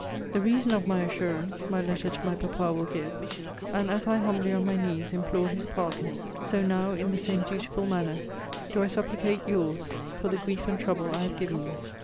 The reason of my assurance, my letter to my papa will give; and as I humbly on my knees implored his pardon, so now, in the same dutiful manner, do I supplicate your's, for the grief and trouble I have given you.